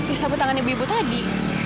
ini siapa tangan ibu ibu tadi